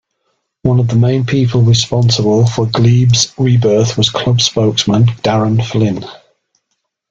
One of the main people responsible for Glebe's rebirth was club spokesman Darren Flynn.